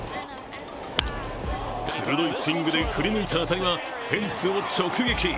鋭いスイングで振り抜いた当たりは、フェンスを直撃。